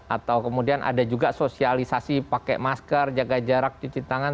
atau kemudian ada juga sosialisasi pakai masker jaga jarak cuci tangan